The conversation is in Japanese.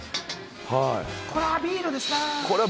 これはビールですな。